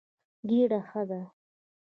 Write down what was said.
ګېډه ښه ده.